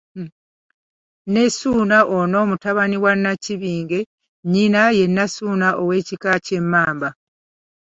NE Ssuuna ono mutabani wa Nnakibinge, nnyina ye Nassuuna ow'ekika ky'Emmamba.